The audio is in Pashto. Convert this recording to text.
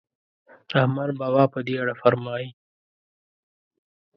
رحمان بابا په دې اړه فرمایي.